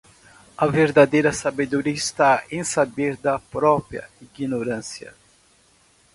A verdadeira sabedoria está em saber da própria ignorância.